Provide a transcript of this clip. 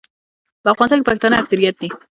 په افغانستان کې پښتانه اکثریت دي.